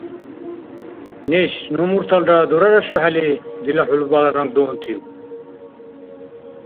– Неш, ну мурталра дура рашухӀели, дила хӀулбала ранг дуунтив?